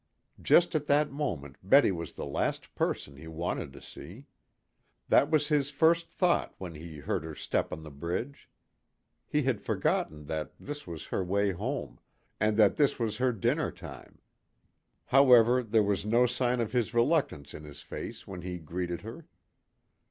Just at that moment Betty was the last person he wanted to see. That was his first thought when he heard her step on the bridge. He had forgotten that this was her way home, and that this was her dinner time. However, there was no sign of his reluctance in his face when he greeted her.